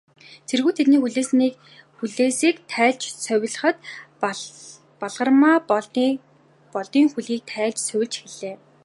Цэргүүд тэдний хүлээсийг тайлж, сувилахад, Балгармаа Болдын хүлгийг тайлж сувилж эхэллээ.